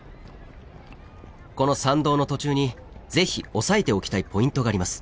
この参道の途中にぜひ押さえておきたいポイントがあります。